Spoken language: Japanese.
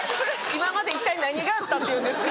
今まで一体何があったっていうんですか。